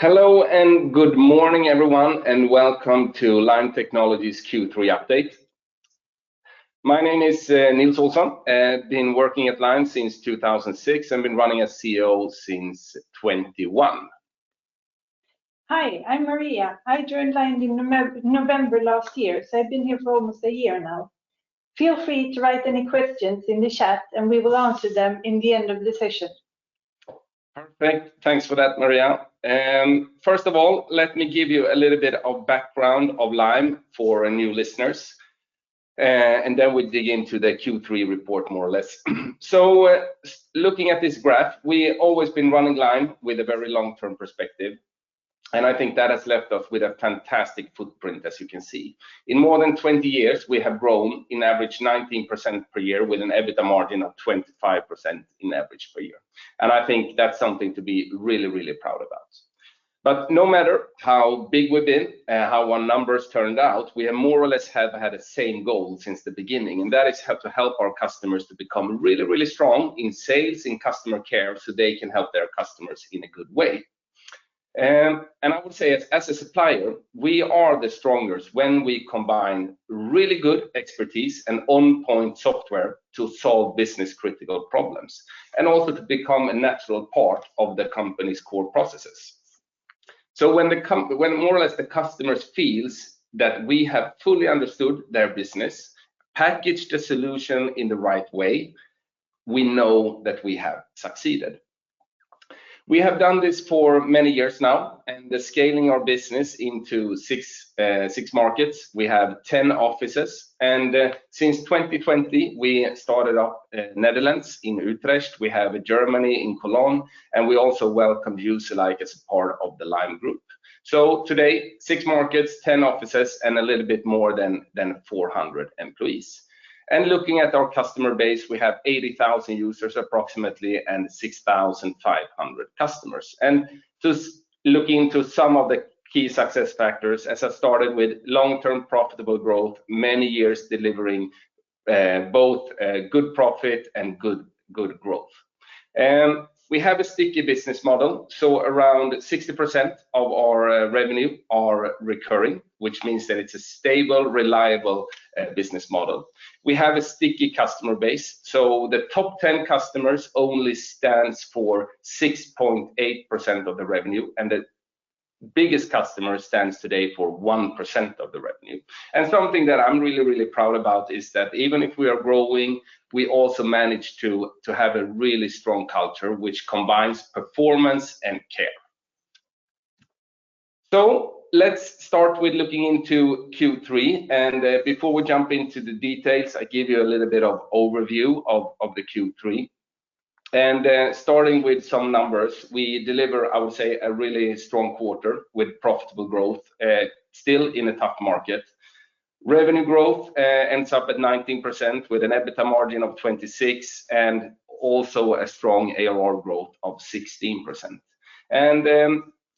Hello, and good morning, everyone, and welcome to Lime Technologies Q3 update. My name is, Nils Olsson, I've been working at Lime since 2006, and been running as CEO since 2021. Hi, I'm Maria. I joined Lime in November last year, so I've been here for almost a year now. Feel free to write any questions in the chat, and we will answer them in the end of the session. Perfect. Thanks for that, Maria. First of all, let me give you a little bit of background of Lime for our new listeners, and then we dig into the Q3 report, more or less. So looking at this graph, we always been running Lime with a very long-term perspective, and I think that has left us with a fantastic footprint, as you can see. In more than 20 years, we have grown in average 19% per year with an EBITDA margin of 25% in average per year. And I think that's something to be really, really proud about. But no matter how big we've been and how our numbers turned out, we have more or less had the same goal since the beginning, and that is how to help our customers to become really, really strong in sales and customer care, so they can help their customers in a good way. And I would say, as a supplier, we are the strongest when we combine really good expertise and on-point software to solve business-critical problems, and also to become a natural part of the company's core processes. So when more or less the customers feels that we have fully understood their business, packaged the solution in the right way, we know that we have succeeded. We have done this for many years now, and the scaling our business into six markets, we have 10 offices, and, since 2020, we started up, Netherlands, in Utrecht, we have a Germany in Cologne, and we also welcomed Userlike as a part of the Lime Group. So today, six markets, 10 offices, and a little bit more than 400 employees. And looking at our customer base, we have 80,000 users, approximately, and 6,500 customers. And just looking into some of the key success factors, as I started with long-term, profitable growth, many years delivering both good profit and good growth. We have a sticky business model, so around 60% of our revenue are recurring, which means that it's a stable, reliable business model. We have a sticky customer base, so the top 10 customers only stands for 6.8% of the revenue, and the biggest customer stands today for 1% of the revenue. And something that I'm really, really proud about is that even if we are growing, we also manage to have a really strong culture, which combines performance and care. So let's start with looking into Q3, and before we jump into the details, I give you a little bit of overview of the Q3. And starting with some numbers, we deliver, I would say, a really strong quarter with profitable growth, still in a tough market. Revenue growth ends up at 19%, with an EBITDA margin of 26%, and also a strong ARR growth of 16%.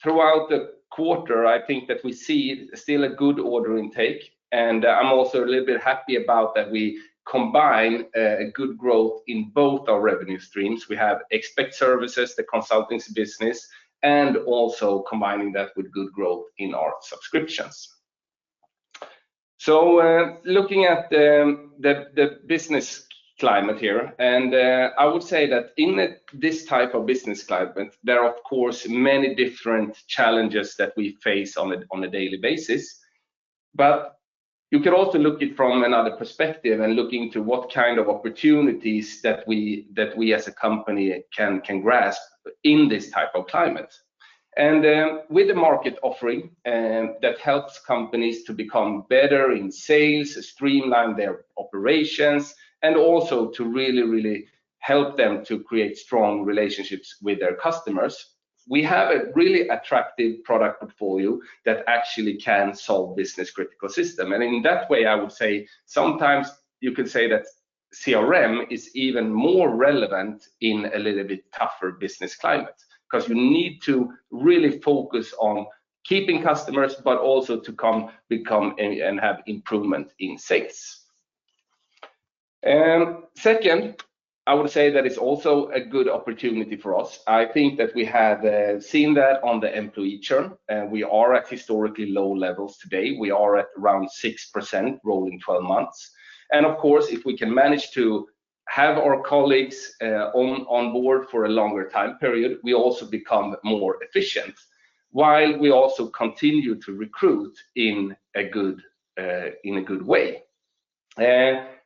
Throughout the quarter, I think that we see still a good order intake, and I'm also a little bit happy about that we combine a good growth in both our revenue streams. We have expert services, the consulting business, and also combining that with good growth in our subscriptions. So, looking at the business climate here, and I would say that in this type of business climate, there are, of course, many different challenges that we face on a daily basis. But you can also look at it from another perspective, and looking to what kind of opportunities that we, as a company, can grasp in this type of climate. With the market offering that helps companies to become better in sales, streamline their operations, and also to really, really help them to create strong relationships with their customers. We have a really attractive product portfolio that actually can solve business-critical system. And in that way, I would say, sometimes you can say that CRM is even more relevant in a little bit tougher business climate, 'cause you need to really focus on keeping customers, but also to become and have improvement in sales. Second, I would say that it's also a good opportunity for us. I think that we have seen that on the employee churn, and we are at historically low levels today. We are at around 6%, rolling 12 months. Of course, if we can manage to have our colleagues on board for a longer time period, we also become more efficient, while we also continue to recruit in a good way.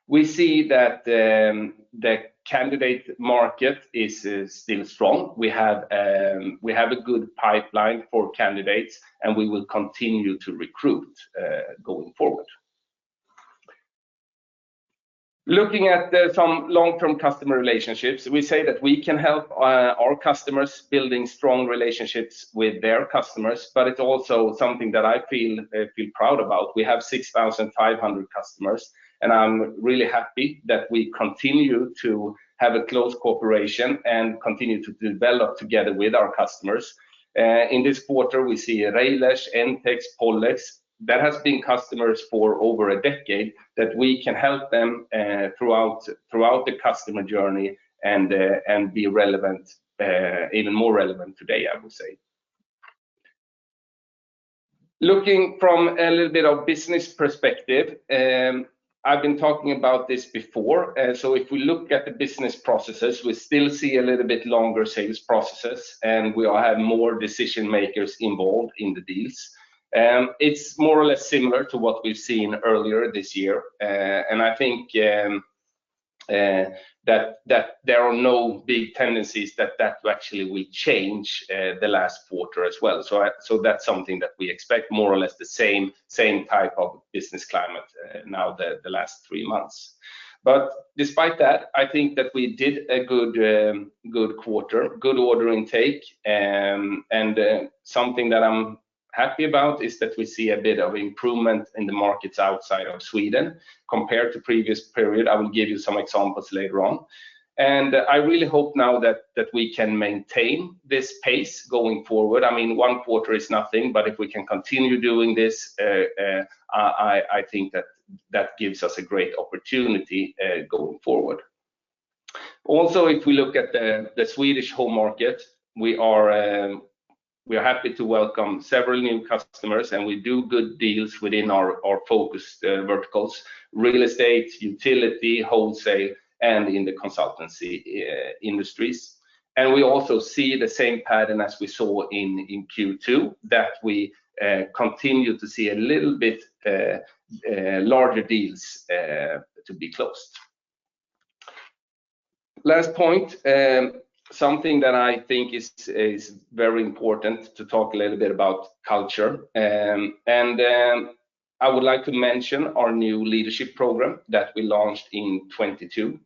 We see that the candidate market is still strong. We have a good pipeline for candidates, and we will continue to recruit going forward. Looking at some long-term customer relationships, we say that we can help our customers building strong relationships with their customers, but it's also something that I feel proud about. We have 6,500 customers, and I'm really happy that we continue to have a close cooperation and continue to develop together with our customers. In this quarter, we see Rejlers, NTEX, Pollex, that has been customers for over a decade, that we can help them throughout the customer journey and be relevant, even more relevant today, I would say. Looking from a little bit of business perspective, I've been talking about this before. So if we look at the business processes, we still see a little bit longer sales processes, and we all have more decision makers involved in the deals. It's more or less similar to what we've seen earlier this year. And I think that there are no big tendencies that actually will change the last quarter as well. So that's something that we expect more or less the same type of business climate now the last three months. But despite that, I think that we did a good, good quarter, good order intake. And, something that I'm happy about is that we see a bit of improvement in the markets outside of Sweden compared to previous period. I will give you some examples later on. And I really hope now that, that we can maintain this pace going forward. I mean, one quarter is nothing, but if we can continue doing this, I, I think that, that gives us a great opportunity, going forward. Also, if we look at the, the Swedish home market, we are, we are happy to welcome several new customers, and we do good deals within our, our focus, verticals: real estate, utility, wholesale, and in the consultancy, industries. We also see the same pattern as we saw in Q2, that we continue to see a little bit larger deals to be closed. Last point, something that I think is very important to talk a little bit about culture. I would like to mention our new leadership program that we launched in 2022.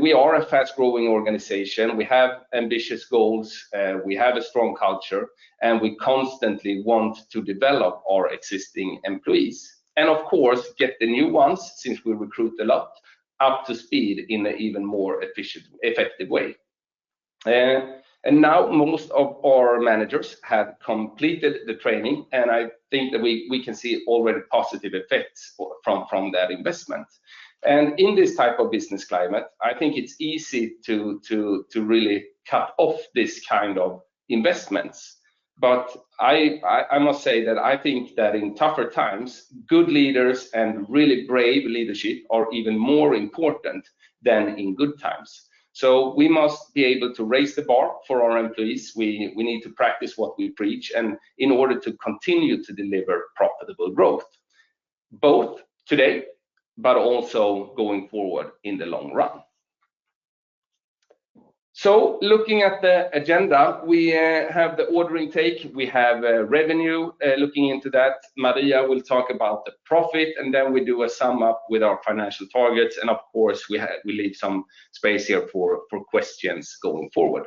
We are a fast-growing organization. We have ambitious goals, we have a strong culture, and we constantly want to develop our existing employees. And of course, get the new ones, since we recruit a lot, up to speed in an even more efficient, effective way. And now most of our managers have completed the training, and I think that we can see already positive effects from that investment. And in this type of business climate, I think it's easy to really cut off this kind of investments. But I must say that I think that in tougher times, good leaders and really brave leadership are even more important than in good times. So we must be able to raise the bar for our employees. We need to practice what we preach, and in order to continue to deliver profitable growth, both today, but also going forward in the long run. So looking at the agenda, we have the order intake, we have revenue. Looking into that, Maria will talk about the profit, and then we do a sum up with our financial targets, and of course, we leave some space here for questions going forward.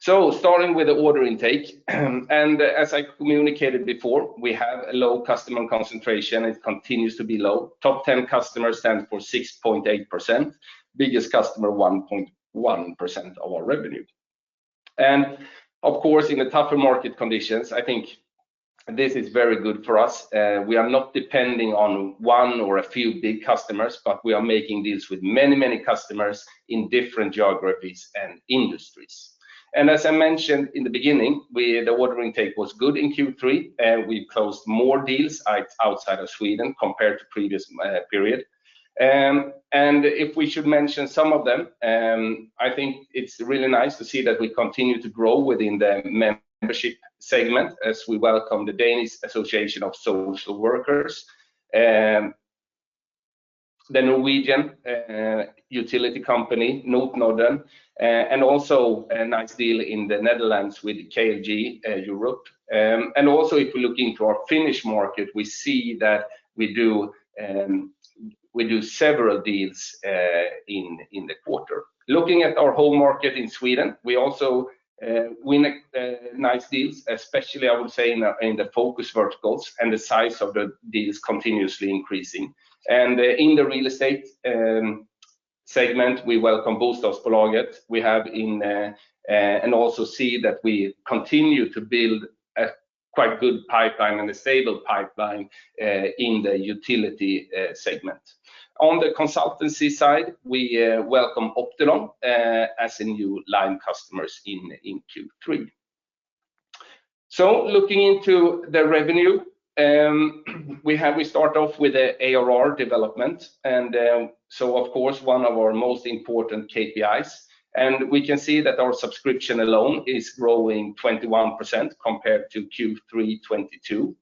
Starting with the order intake, and as I communicated before, we have a low customer concentration. It continues to be low. Top 10 customers stand for 6.8%. Biggest customer, 1.1% of our revenue. And of course, in the tougher market conditions, I think this is very good for us. We are not depending on one or a few big customers, but we are making deals with many, many customers in different geographies and industries. And as I mentioned in the beginning, we, the order intake was good in Q3, and we closed more deals outside of Sweden compared to previous period. And if we should mention some of them, I think it's really nice to see that we continue to grow within the membership segment as we welcome the Danish Association of Social Workers, the Norwegian utility company, Nordkraft, and also a nice deal in the Netherlands with KFG Europe. And also, if we look into our Finnish market, we see that we do several deals in the quarter. Looking at our home market in Sweden, we also win nice deals, especially, I would say, in the focus verticals, and the size of the deals continuously increasing. And in the real estate segment, we welcome Bostadsbolaget. And also see that we continue to build a quite good pipeline and a stable pipeline in the utility segment. On the consultancy side, we welcome Optilon as a new Lime customers in Q3. So looking into the revenue, we start off with the ARR development, and so of course, one of our most important KPIs, and we can see that our subscription alone is growing 21% compared to Q3 2022.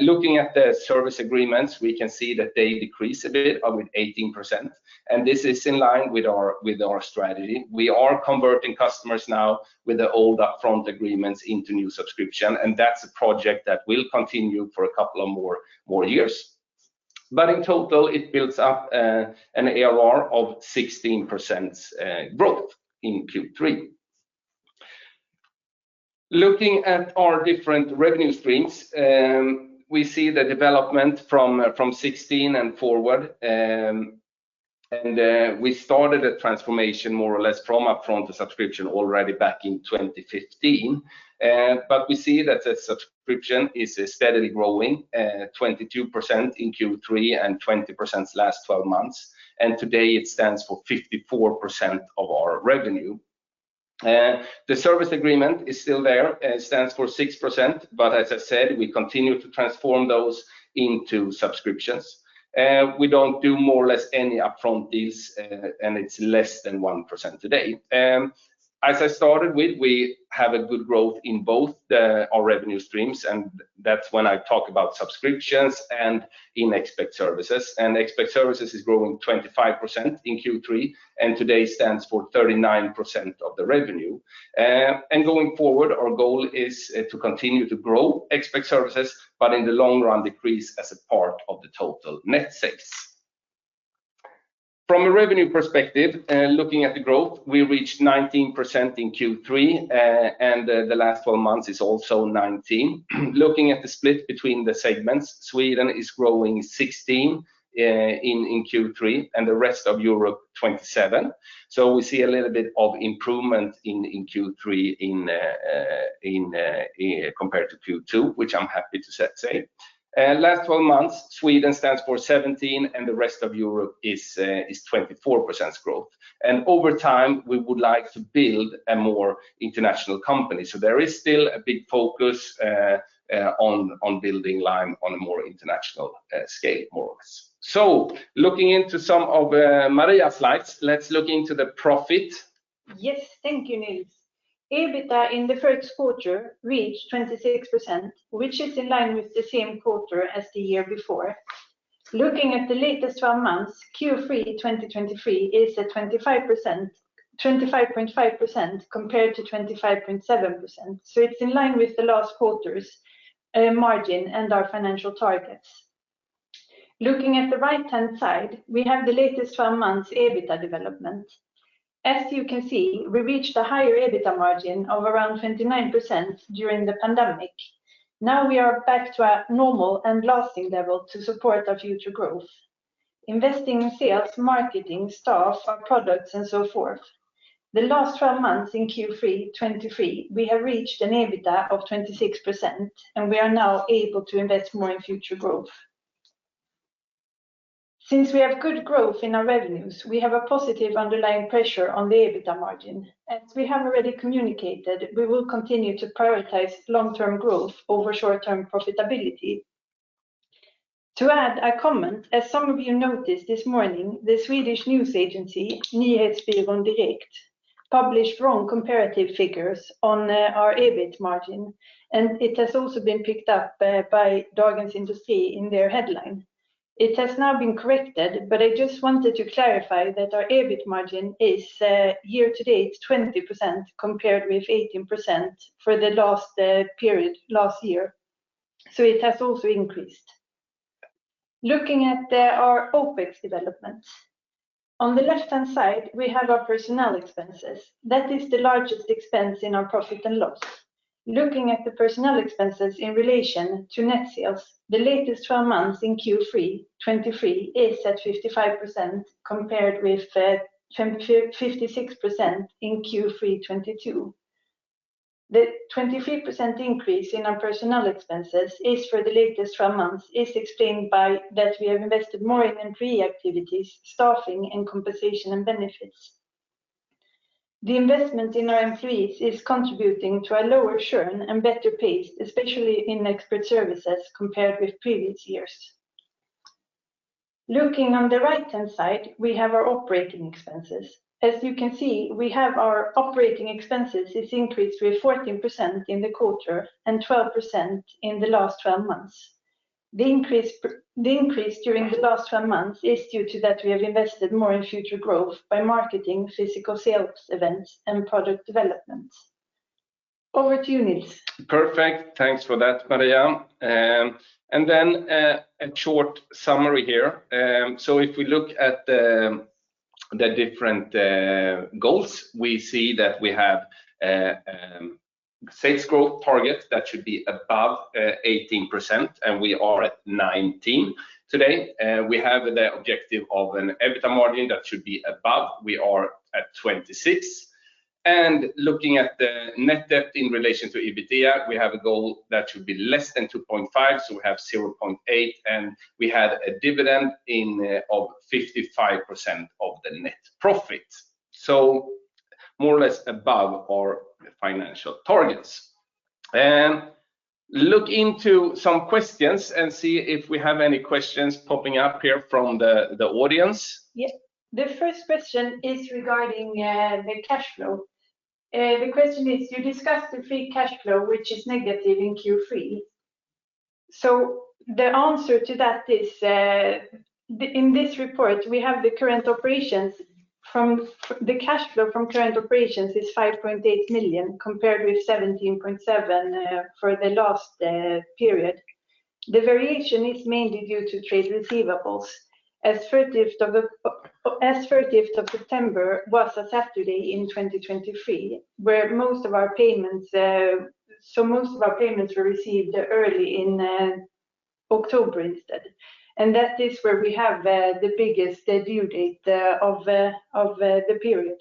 Looking at the service agreements, we can see that they decrease a bit of 18%, and this is in line with our strategy. We are converting customers now with the old upfront agreements into new subscription, and that's a project that will continue for a couple of more years. But in total, it builds up an ARR of 16% growth in Q3. Looking at our different revenue streams, we see the development from 2016 and forward, and we started a transformation more or less from upfront to subscription already back in 2015. But we see that the subscription is steadily growing, 22% in Q3 and 20% last twelve months, and today it stands for 54% of our revenue. The service agreement is still there, it stands for 6%, but as I said, we continue to transform those into subscriptions. We don't do more or less any upfront deals, and it's less than 1% today. As I started with, we have a good growth in both our revenue streams, and that's when I talk about subscriptions and in expert services. Expert services is growing 25% in Q3, and today stands for 39% of the revenue. And going forward, our goal is to continue to grow expert services, but in the long run, decrease as a part of the total net sales. From a revenue perspective, looking at the growth, we reached 19% in Q3, and the last twelve months is also 19%. Looking at the split between the segments, Sweden is growing 16% in Q3, and the rest of Europe, 27%. So we see a little bit of improvement in Q3 compared to Q2, which I'm happy to say. Last twelve months, Sweden stands for 17%, and the rest of Europe is 24% growth. Over time, we would like to build a more international company. So there is still a big focus on building Lime on a more international scale more. So looking into some of Maria's slides, let's look into the profit. Yes, thank you, Nils. EBITDA in the first quarter reached 26%, which is in line with the same quarter as the year before. Looking at the latest 12 months, Q3 2023 is at 25%, 25.5%, compared to 25.7%. So it's in line with the last quarter's margin and our financial targets. Looking at the right-hand side, we have the latest 12 months EBITDA development. As you can see, we reached a higher EBITDA margin of around 29% during the pandemic. Now we are back to a normal and lasting level to support our future growth, investing in sales, marketing, staff, our products, and so forth. The last 12 months in Q3 2023, we have reached an EBITDA of 26%, and we are now able to invest more in future growth. Since we have good growth in our revenues, we have a positive underlying pressure on the EBITDA margin. As we have already communicated, we will continue to prioritize long-term growth over short-term profitability. To add a comment, as some of you noticed this morning, the Swedish news agency, Nyhetsbyrån Direkt, published wrong comparative figures on our EBIT margin, and it has also been picked up by Dagens Industri in their headline. It has now been corrected, but I just wanted to clarify that our EBIT margin is year to date, 20%, compared with 18% for the last period, last year. So it has also increased. Looking at our OpEx developments. On the left-hand side, we have our personnel expenses. That is the largest expense in our profit and loss. Looking at the personnel expenses in relation to net sales, the latest twelve months in Q3 2023 is at 55%, compared with 55%-56% in Q3 2022. The 23% increase in our personnel expenses is for the latest twelve months, is explained by that we have invested more in employee activities, staffing, and compensation and benefits. The investment in our employees is contributing to a lower churn and better pace, especially in expert services, compared with previous years. Looking on the right-hand side, we have our operating expenses. As you can see, we have our operating expenses is increased with 14% in the quarter and 12% in the last twelve months. The increase during the last twelve months is due to that we have invested more in future growth by marketing, physical sales events, and product developments. Over to you, Nils. Perfect. Thanks for that, Maria. Then, a short summary here. So if we look at the different goals, we see that we have a sales growth target that should be above 18%, and we are at 19% today. We have the objective of an EBITDA margin that should be above, we are at 26%. And looking at the net debt in relation to EBITDA, we have a goal that should be less than 2.5, so we have 0.8, and we had a dividend of 55% of the net profit. So more or less above our financial targets. Look into some questions and see if we have any questions popping up here from the audience. Yep. The first question is regarding the cash flow. The question is: You discussed the free cash flow, which is negative in Q3. So the answer to that is, in this report, we have the cash flow from current operations is 5.8 million, compared with 17.7 million for the last period. The variation is mainly due to trade receivables. As 30 September was a Saturday in 2023, where most of our payments, so most of our payments were received early in October instead. And that is where we have the biggest due date of the period.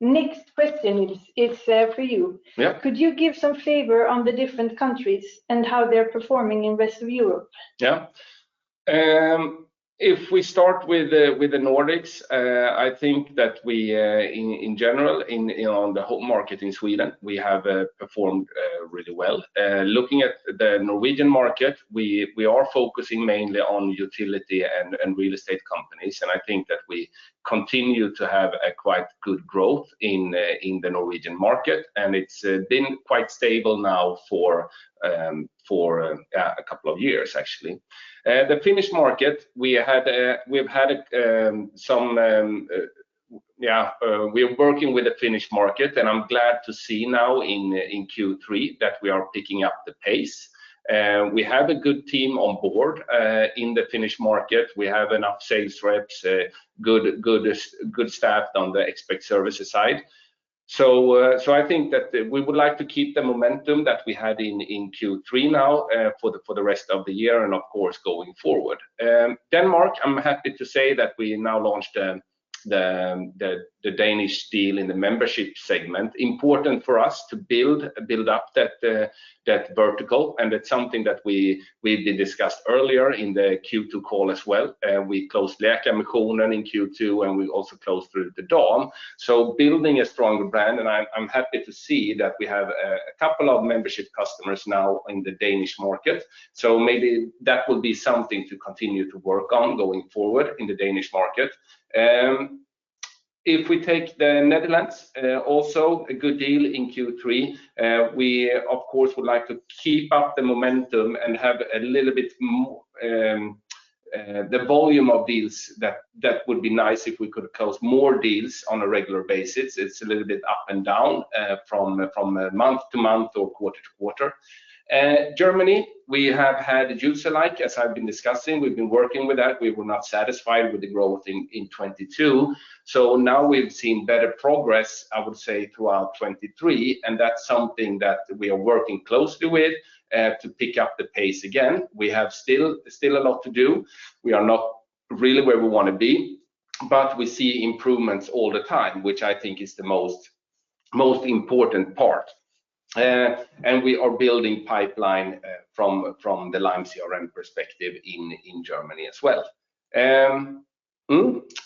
Next question is for you. Yeah. Could you give some flavor on the different countries and how they're performing in rest of Europe? If we start with the Nordics, I think that we in general, on the whole market in Sweden, we have performed really well. Looking at the Norwegian market, we are focusing mainly on utility and real estate companies, and I think that we continue to have quite good growth in the Norwegian market, and it's been quite stable now for a couple of years, actually. The Finnish market, we are working with the Finnish market, and I'm glad to see now in Q3 that we are picking up the pace. We have a good team on board in the Finnish market. We have enough sales reps, good staff on the expert services side. So, I think that we would like to keep the momentum that we had in Q3 now, for the rest of the year and, of course, going forward. Denmark, I'm happy to say that we now launched the Danish deal in the membership segment. Important for us to build up that vertical, and it's something that we did discussed earlier in the Q2 call as well. We closed Lederne, Mekonomen in Q2, and we also closed two of them. So building a stronger brand, and I'm happy to see that we have a couple of membership customers now in the Danish market. Maybe that will be something to continue to work on going forward in the Danish market. If we take the Netherlands, also a good deal in Q3. We, of course, would like to keep up the momentum and have a little bit more, the volume of deals. That would be nice if we could close more deals on a regular basis. It's a little bit up and down, from month to month or quarter to quarter. Germany, we have had Userlike. As I've been discussing, we've been working with that. We were not satisfied with the growth in 2022, so now we've seen better progress, I would say, throughout 2023, and that's something that we are working closely with to pick up the pace again. We have still a lot to do. We are not really where we want to be, but we see improvements all the time, which I think is the most, most important part. And we are building pipeline from the Lime CRM perspective in Germany as well.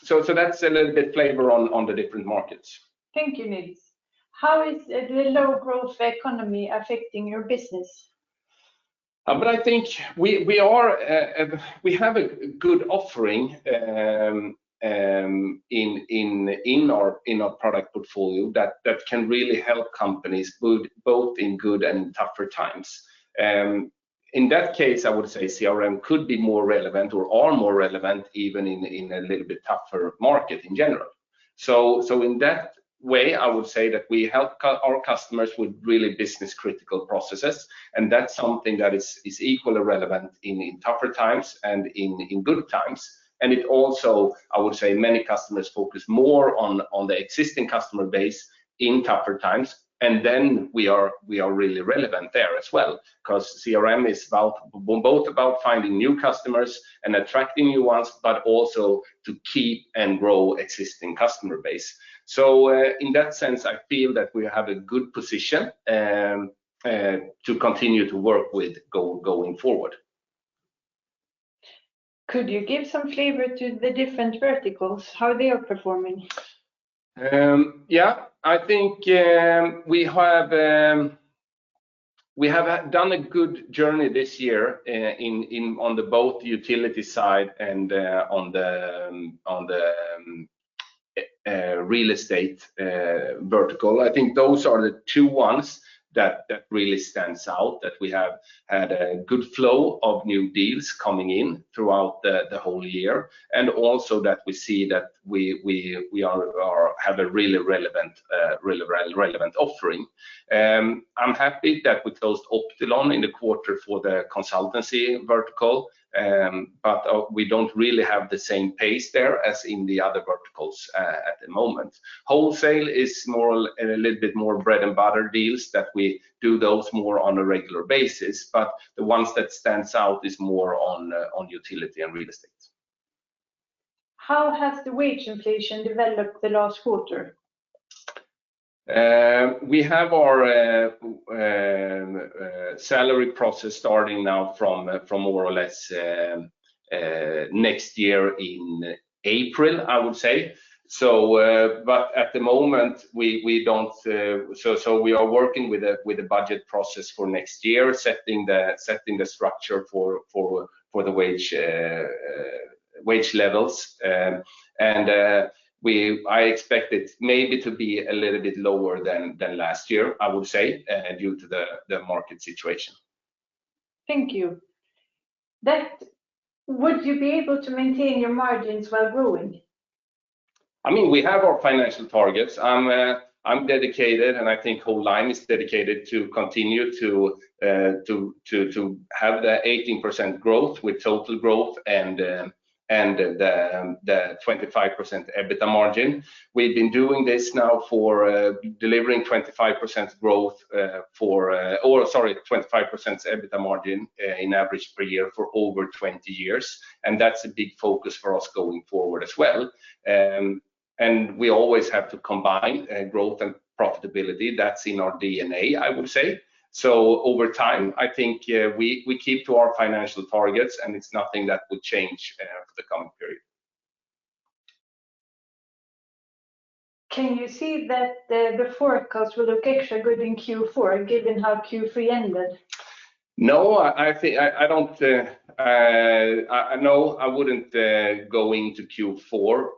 So that's a little bit flavor on the different markets. Thank you, Nils. How is the low-growth economy affecting your business? But I think we have a good offering in our product portfolio that can really help companies both in good and tougher times. In that case, I would say CRM could be more relevant or are more relevant even in a little bit tougher market in general. So in that way, I would say that we help our customers with really business-critical processes, and that's something that is equally relevant in tougher times and in good times. And it also, I would say, many customers focus more on the existing customer base in tougher times, and then we are really relevant there as well. 'Cause CRM is about both about finding new customers and attracting new ones, but also to keep and grow existing customer base. So, in that sense, I feel that we have a good position to continue to work with going forward. Could you give some flavor to the different verticals, how they are performing? Yeah. I think we have done a good journey this year in on both utility side and on the real estate vertical. I think those are the two ones that really stands out that we have had a good flow of new deals coming in throughout the whole year and also that we see that we have a really relevant offering. I'm happy that we closed Optilon in the quarter for the consultancy vertical but we don't really have the same pace there as in the other verticals at the moment. Wholesale is more a little bit more bread-and-butter deals, that we do those more on a regular basis, but the ones that stands out is more on utility and real estate. How has the wage inflation developed the last quarter? We have our salary process starting now from more or less next year in April, I would say. But at the moment, we don't. We are working with a budget process for next year, setting the structure for the wage levels. And I expect it maybe to be a little bit lower than last year, I would say, due to the market situation. Thank you. Would you be able to maintain your margins while growing? I mean, we have our financial targets. I'm dedicated, and I think whole Lime is dedicated to continue to have that 18% growth with total growth and the 25% EBITDA margin. We've been doing this now for delivering 25% growth, or sorry, 25% EBITDA margin, in average per year for over 20 years, and that's a big focus for us going forward as well. And we always have to combine growth and profitability. That's in our DNA, I would say. So over time, I think we keep to our financial targets, and it's nothing that would change for the coming period. Can you see that the forecast will look extra good in Q4, given how Q3 ended? No, I think i don't. No, I wouldn't go into Q4,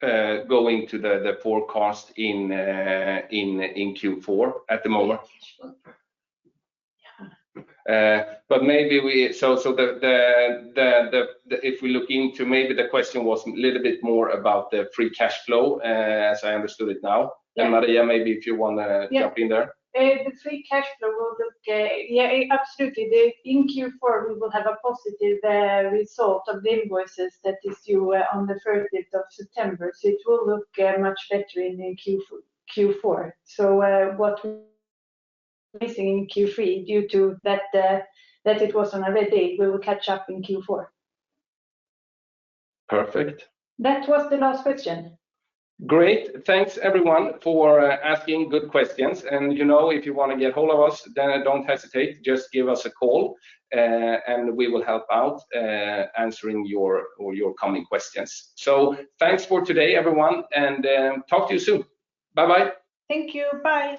go into the forecast in Q4 at the moment. But maybe we so, if we look into maybe the question was a little bit more about the free cash flow, as I understood it now. Maria, maybe if you wanna jump in there. The free cash flow will look. Yeah, absolutely. In Q4, we will have a positive result of the invoices that is due on the thirtieth of September, so it will look much better in the Q4. So, what we missing in Q3, due to that, that it was on a red date, we will catch up in Q4. Perfect. That was the last question. Great. Thanks, everyone, for asking good questions. And, you know, if you wanna get hold of us, then don't hesitate. Just give us a call, and we will help out answering your or your coming questions. So thanks for today, everyone, and talk to you soon. Bye-bye. Thank you. Bye.